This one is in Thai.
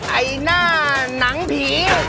ไอหน้านางผี